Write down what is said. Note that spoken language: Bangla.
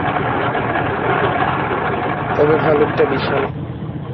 তবে ভালুকটা বিশাল।